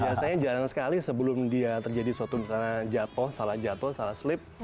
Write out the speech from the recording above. biasanya jarang sekali sebelum dia terjadi suatu misalnya jatuh salah jatuh salah sleep